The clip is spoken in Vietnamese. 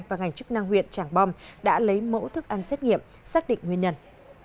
và ngành chức năng huyện trảng bom đã lấy mẫu thức ăn xét nghiệm xác định nguyên nhân